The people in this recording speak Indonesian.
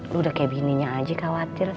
lu udah kayak gininya aja khawatir